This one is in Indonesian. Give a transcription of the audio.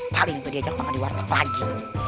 paling diajak makan di warteg lagi